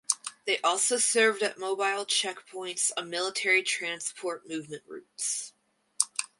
They also served at mobile checkpoints on military transport movement routes.